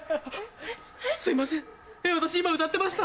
すいません私今歌ってました？